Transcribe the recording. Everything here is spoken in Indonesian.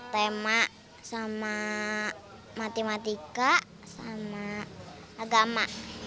tema sama matematika sama agama